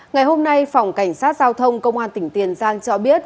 ngày hôm nay phòng cảnh sát giao thông công an tỉnh tiền giang cho biết